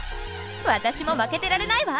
私も負けてられないわ！